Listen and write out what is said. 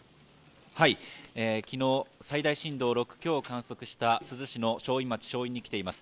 きのう、最大震度６強を観測した珠洲市の正院町正院に来ています。